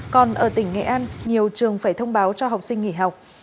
còn ở tỉnh nghệ an nhiều trường phải thông báo cho học sinh nghỉ học